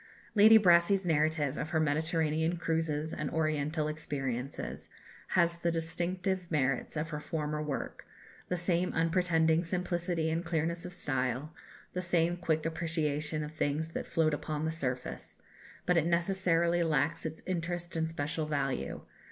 Lady Brassey's narrative of her Mediterranean cruises and Oriental experiences has the distinctive merits of her former work the same unpretending simplicity and clearness of style, the same quick appreciation of things that float upon the surface; but it necessarily lacks its interest and special value.